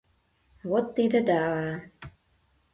Вот тиде да-а!